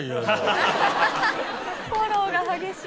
フォローが激しい。